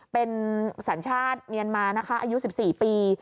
เป็นศาลชาติเมียนมาอายุ๑๔ปี